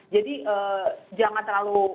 jadi jangan terlalu di awang awang